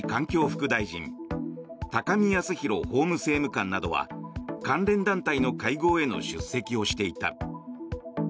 副大臣高見康裕法務政務官などは関連団体の会合への出席をしていた。